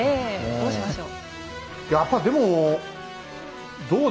そうしましょう。